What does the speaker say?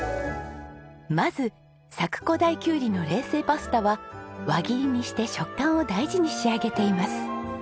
まず佐久古太きゅうりの冷製パスタは輪切りにして食感を大事に仕上げています。